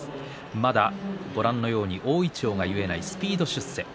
まだ、ご覧のように大いちょうが結えないスピード出世。